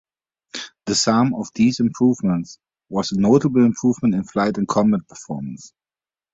The sum of these improvements was a notable improvement in flight and combat performance.